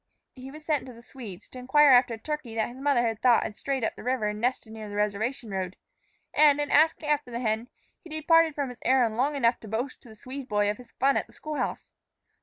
He was sent to the Swede's to inquire after a turkey that his mother thought had strayed up the river and nested near the reservation road; and, in asking after the hen, he departed from his errand long enough to boast to the Swede boy of his fun at the school house.